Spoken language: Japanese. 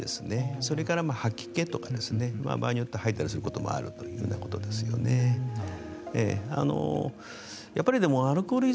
それから吐き気とか場合によっては吐いたりすることもあったりというようなこともあります。